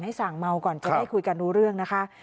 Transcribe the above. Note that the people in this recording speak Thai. ให้สั่งเมาก่อนเพื่อให้คุยกันรู้เรื่องนะคะ